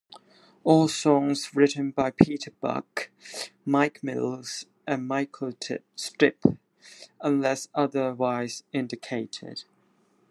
All songs written by Peter Buck, Mike Mills, and Michael Stipe unless otherwise indicated.